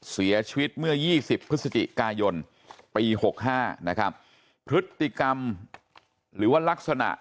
เสียชีวิตเมื่อ๒๐พฤศจิกายนปีหกห้านะครับพฤติกรรมหรือว่ารักษณะ